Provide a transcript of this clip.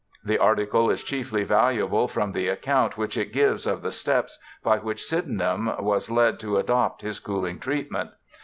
The article is chiefly valuable from the account which it gives of the steps by which Sydenham was led to adopt his cooling treatment.